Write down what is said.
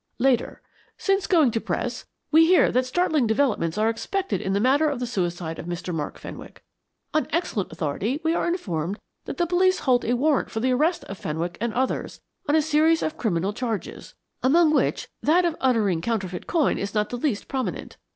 "Later. Since going to press, we hear that startling developments are expected in the matter of the suicide of Mr. Mark Fenwick. On excellent authority we are informed that the police hold a warrant for the arrest of Fenwick and others, on a series of criminal charges, among which that of uttering counterfeit coin is not the least prominent.